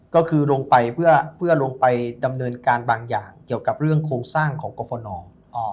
ก็คือลงไปเพื่อเดินการบางอย่างเกี่ยวของเรื่องโครงสร้างของกราฟนอล